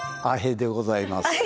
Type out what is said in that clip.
アヘでございます。